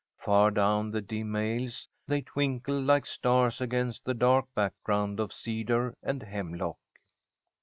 Far down the dim aisles they twinkled like stars against the dark background of cedar and hemlock.